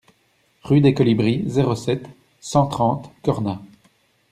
Rue des Colibris, zéro sept, cent trente Cornas